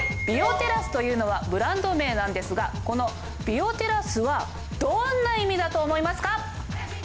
ヴィオテラスというのはブランド名なんですがこのヴィオテラスはどんな意味だと思いますか？